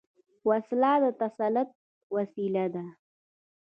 وسله د تسلط وسيله ده